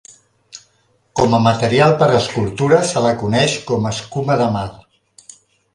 Com a material per escultura se la coneix com a escuma de mar.